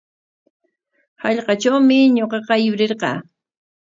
Hallqatrawmi ñuqaqa yurirqaa.